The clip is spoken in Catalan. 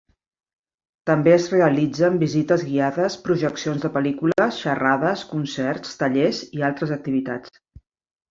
També es realitzen visites guiades, projeccions de pel·lícules, xerrades, concerts, tallers i altres activitats.